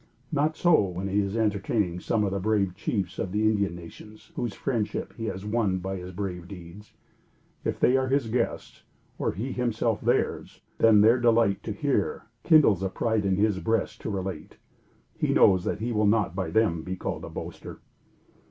Not so when he is entertaining some of the brave chiefs of the Indian nations whose friendship he has won by his brave deeds. If they are his guests, or he himself theirs, then their delight to hear kindles a pride in his breast to relate. He knows that he will not, by them, be called a boaster.